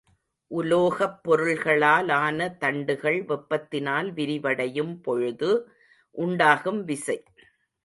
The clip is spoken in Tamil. உலோகப் பொருள்களாலான தண்டுகள் வெப்பத்தினால் விரிவடையும் பொழுது உண்டாகும் விசை.